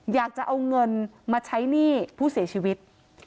อยากจะเอาเงินมาใช้หนี้ผู้เสียชีวิต